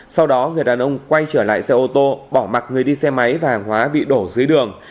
sau đó người đàn ông quay trở lại xe ô tô bỏ mặt người đi xe máy và hàng hóa bị đổ dưới đường